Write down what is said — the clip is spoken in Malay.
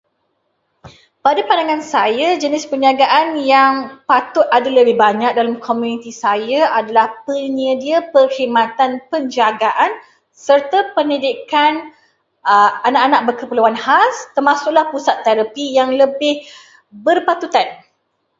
Pada pandangan saya, jenis perniagaan yang patut ada lebih banyak dalam komuniti saya ialah penyedia perkhidmatan penjagaan serta pendidikan anak-anak berkeperluan khas, termasuklah pusat terapi yang lebih berpatutan.